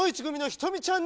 ひとみちゃん！